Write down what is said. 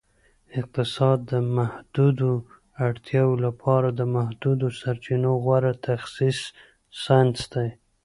اقتصاد د محدودو اړتیاوو لپاره د محدودو سرچینو غوره تخصیص ساینس دی